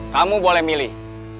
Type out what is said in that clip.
kamu boleh milih